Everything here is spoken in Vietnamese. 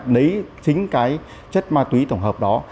lấy chính chất ma túy tổng hợp đó